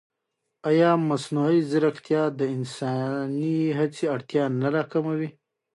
ایا مصنوعي ځیرکتیا د انساني هڅې اړتیا نه راکموي؟